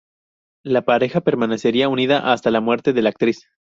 La pareja permanecería unida hasta la muerte de la actriz.